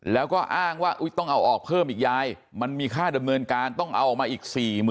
แล้วก็อ้างว่าต้องเอาออกเพิ่มอีกยายมันมีค่าดำเนินการต้องเอาออกมาอีก๔๐๐๐